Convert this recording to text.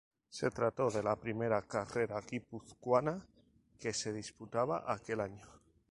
Se trató de la primera carrera guipuzcoana que se disputaba aquel año.